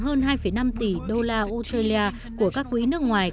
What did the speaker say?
hơn hai năm tỷ đô la australia của các quỹ nước ngoài